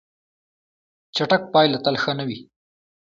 چټک پایله تل ښه نه وي.